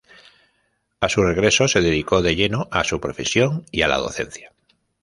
A su regreso se dedicó de lleno a su profesión y a la docencia.